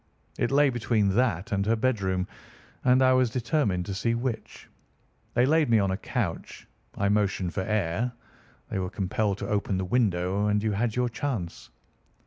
It lay between that and her bedroom, and I was determined to see which. They laid me on a couch, I motioned for air, they were compelled to open the window, and you had your chance."